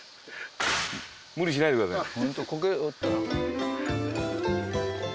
無理しないでくださいね。